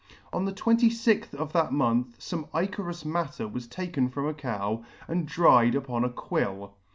On the 26th of that month fome ichorous matter was taken from a cow, and dried upon a quill.